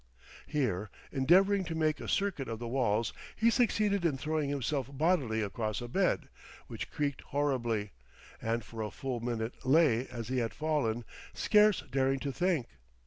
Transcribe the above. Here, endeavoring to make a circuit of the walls, he succeeded in throwing himself bodily across a bed, which creaked horribly; and for a full minute lay as he had fallen, scarce daring to think.